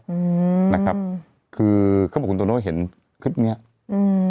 อืมนะครับคือเขาบอกคุณโตโน่เห็นคลิปเนี้ยอืม